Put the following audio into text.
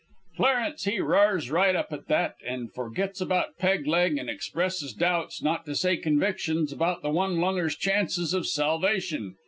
"Clarence he r'ars right up at that an' forgits about Peg leg an' expresses doubts, not to say convictions, about the one lunger's chances of salvation.